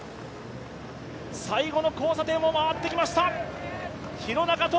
最後の交差点を回ってきました。